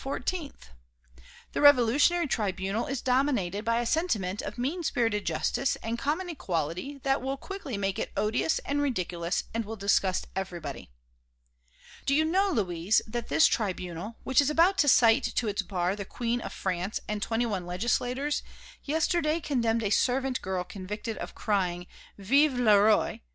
The Revolutionary Tribunal is dominated by a sentiment of mean spirited justice and common equality that will quickly make it odious and ridiculous and will disgust everybody. Do you know, Louise, that this tribunal, which is about to cite to its bar the Queen of France and twenty one legislators, yesterday condemned a servant girl convicted of crying: 'Vive le Roi!'